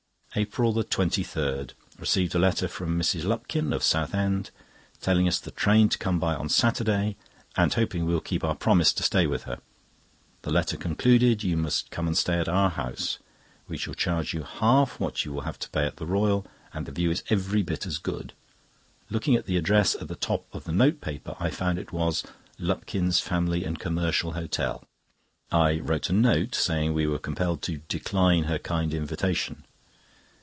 APRIL 23.—Received a letter from Mrs. Lupkin, of Southend, telling us the train to come by on Saturday, and hoping we will keep our promise to stay with her. The letter concluded: "You must come and stay at our house; we shall charge you half what you will have to pay at the Royal, and the view is every bit as good." Looking at the address at the top of the note paper, I found it was "Lupkin's Family and Commercial Hotel." I wrote a note, saying we were compelled to "decline her kind invitation."